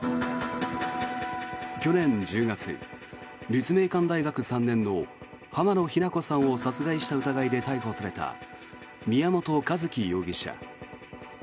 去年１０月、立命館大学３年の浜野日菜子さんを殺害した疑いで逮捕された宮本一希容疑者。